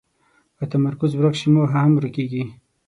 که تمرکز ورک شي، موخه هم ورکېږي.